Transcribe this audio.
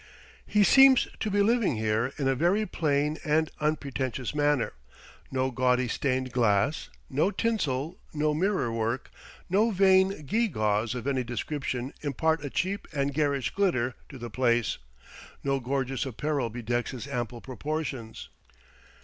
He seems to be living here in a very plain and unpretentious manner; no gaudy stained glass, no tinsel, no mirror work, no vain gew gaws of any description impart a cheap and garish glitter to the place; no gorgeous apparel bedecks his ample proportions.